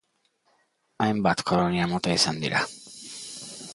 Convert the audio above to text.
Hainbat kolonia mota izan dira.